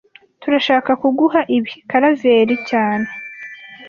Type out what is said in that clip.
Turashaka kuguha ibi, Karaveri cyane